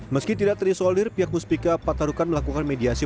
meski tidak terisolir pihak muspika patarukan melakukan mediasi